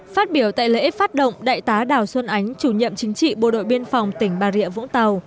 phát biểu tại lễ phát động đại tá đào xuân ánh chủ nhiệm chính trị bộ đội biên phòng tỉnh bà rịa vũng tàu